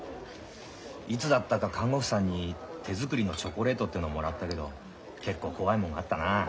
いつだったか看護婦さんに手作りのチョコレートってのもらったけど結構怖いもんがあったな。